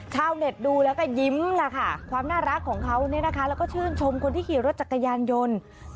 ชาวเน็ตดูแล้วก็ยิ้มล่ะค่ะความน่ารักของเขาเนี่ยนะคะแล้วก็ชื่นชมคนที่ขี่รถจักรยานยนต์